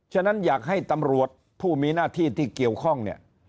ฉะนั้นอยากให้ตำรวจผู้มีหน้าที่ที่เกี่ยวข้องเนี่ย